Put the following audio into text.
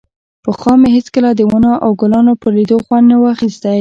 پخوا مې هېڅکله د ونو او ګلانو پر ليدو خوند نه و اخيستى.